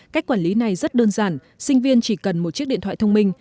cách quản lý này rất đơn giản sinh viên chỉ cần một chiếc điện thoại thông minh